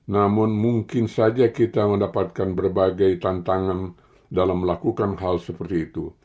namun mungkin saja kita mendapatkan berbagai tantangan dalam melakukan hal seperti itu